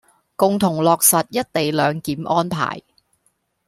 共同落實「一地兩檢」安排